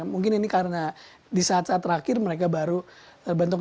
mungkin ini karena di saat saat terakhir mereka baru terbentuk